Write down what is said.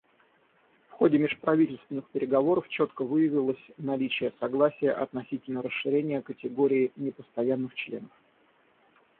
В ходе межправительственных переговоров четко выявилось наличие согласия относительно расширения категории непостоянных членов.